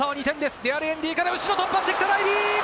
デアリエンディから後ろを突破してきたライリー！